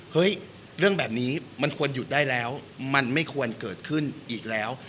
เฮ้ยเรื่องแบบนี้มันควรหยุดได้แล้วมันไม่ควรเกิดขึ้นอีกแล้ว